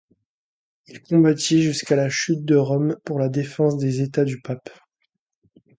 Il combattit jusqu'à la chute de Rome pour la défense des États du pape.